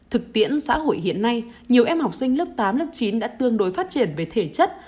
thực tiễn xã hội hiện nay nhiều em học sinh lớp tám lớp chín đã tương đối phát triển về thể chất